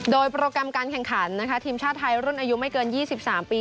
โดยโปรแกรมการแข่งขันนะคะทีมชาติไทยรุ่นอายุไม่เกิน๒๓ปี